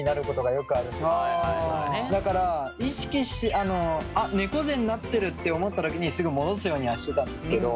だから意識してあ猫背になってるって思ったときにすぐ戻すようにはしてたんですけど。